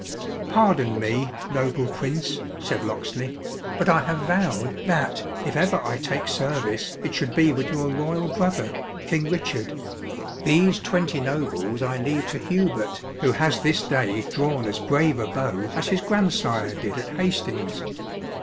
"Pardon me, noble Prince," said Locksley; "but I have vowed, that, if ever I take service, it should be with your royal brother, King Richard. These twenty nobles I leave to Hubert, who has this day drawn as brave a bow as his grandsire did at Hastings.